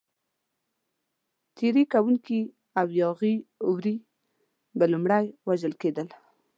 تېري کوونکي او یاغي وري به لومړی وژل کېدل.